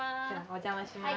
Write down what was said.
お邪魔します。